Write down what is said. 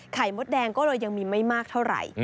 มดแดงก็เลยยังมีไม่มากเท่าไหร่